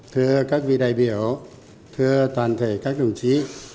thưa các vị đại biểu thưa toàn thể các đồng chí